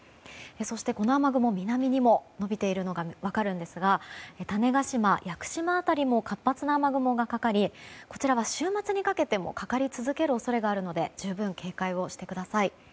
そして、この雨雲南にも延びているのが分かりますが種子島・屋久島辺りも活発な雨雲がかかりこちらは週末にかけてもかかり続ける恐れがあるので十分警戒してください。